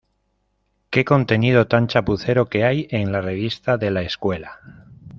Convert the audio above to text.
¡Qué contenido tan chapucero que hay en la revista de la escuela!